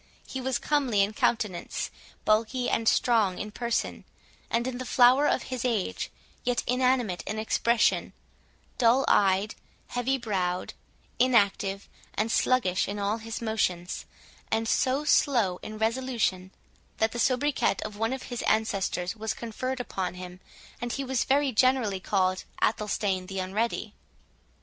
He was comely in countenance, bulky and strong in person, and in the flower of his age—yet inanimate in expression, dull eyed, heavy browed, inactive and sluggish in all his motions, and so slow in resolution, that the soubriquet of one of his ancestors was conferred upon him, and he was very generally called Athelstane the Unready.